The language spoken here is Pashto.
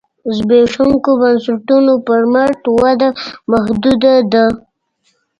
زبېښونکو بنسټونو پر مټ وده محدوده ده.